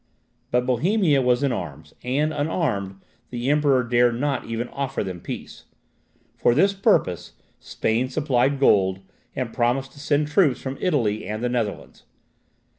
But Bohemia was in arms, and unarmed, the Emperor dared not even offer them peace. For this purpose, Spain supplied gold, and promised to send troops from Italy and the Netherlands.